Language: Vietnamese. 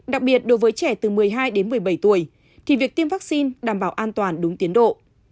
đặc biệt đối với trẻ từ một mươi hai đến một mươi bảy tuổi thì việc tiêm vaccine đảm bảo an toàn đúng tiến độ